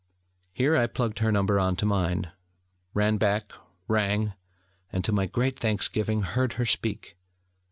Here I plugged her number on to mine, ran back, rang and, to my great thanksgiving, heard her speak.